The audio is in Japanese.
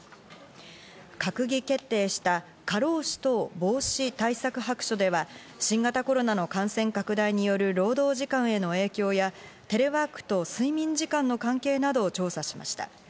閣議決定した過労死等防止対策白書では、新型コロナの感染拡大による労働時間への影響や、テレワークと睡眠時間の関係などを調査しました。